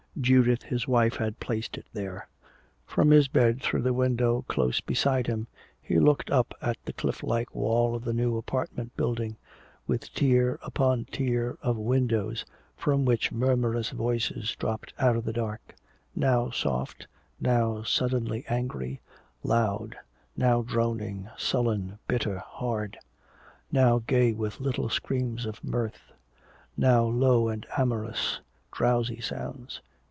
Judith his wife had placed it there. From his bed through the window close beside him he looked up at the cliff like wall of the new apartment building, with tier upon tier of windows from which murmurous voices dropped out of the dark: now soft, now suddenly angry, loud; now droning, sullen, bitter, hard; now gay with little screams of mirth; now low and amorous, drowsy sounds.